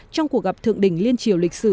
trong cuộc gặp thượng đỉnh liên triều lịch sử